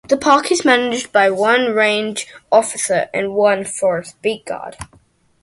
The park is managed by one range officer and one forest beat guard.